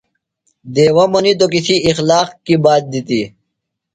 دیوہ منیتو کی تھی اخلاق کیۡ بات دِتیۡ۔